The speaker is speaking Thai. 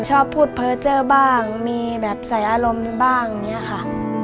ชอบพูดเพอร์เจอร์บ้างมีแบบใส่อารมณ์บ้างอย่างนี้ค่ะ